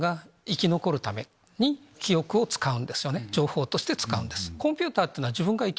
情報として使うんです。